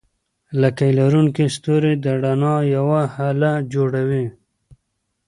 لکۍ لرونکي ستوري د رڼا یوه هاله جوړوي.